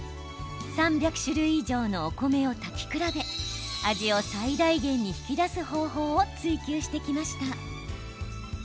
３００種類以上のお米を炊き比べ味を最大限に引き出す方法を追求してきました。